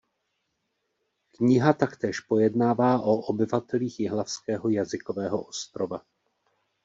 Kniha taktéž pojednává o obyvatelích Jihlavského jazykového ostrova.